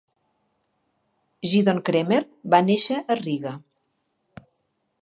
Gidon Kremer va néixer a Riga.